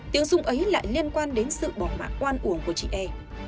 tiếng súng ấy lại liên quan đến sự bỏ mạng quan uổng của chị e